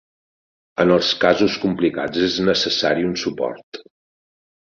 En els casos complicats és necessari un suport.